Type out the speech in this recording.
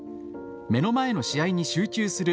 目の前の試合に集中する